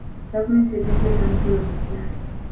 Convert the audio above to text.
Gavumenti eri mu kuleeta misolo mipya.